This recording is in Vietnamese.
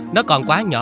nó còn quá nhỏ